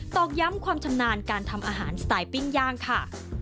อกย้ำความชำนาญการทำอาหารสไตล์ปิ้งย่างค่ะ